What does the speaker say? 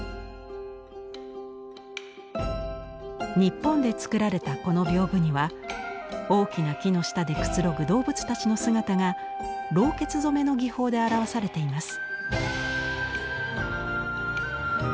日本で作られたこの風には大きな木の下でくつろぐ動物たちの姿が「ろうけつ染め」の技法で表されています。